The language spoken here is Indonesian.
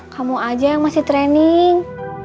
kamu aja yang masih training